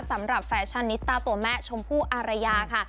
สำหรับแฟชั่นนิสตาตัวแม่ชมพูอารยาค่ะ